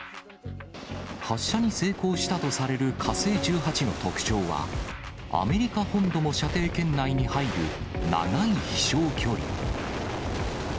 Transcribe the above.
発射に成功したとされる火星１８の特徴は、アメリカ本土も射程圏内に入る長い飛しょう距離。